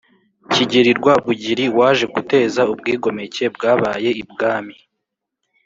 Kigeri Rwabugiri waje guteza ubwigomeke bwabaye ibwami